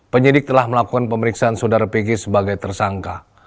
penyidik telah melakukan pemeriksaan saudara pg sebagai tersangka